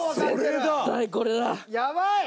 やばい！